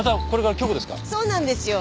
そうなんですよ。